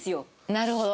なるほど。